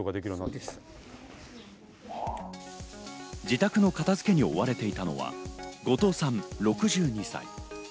自宅の片付けに追われていたのは後藤さん、６２歳。